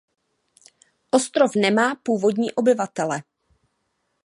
Ostrov nemá původní obyvatele.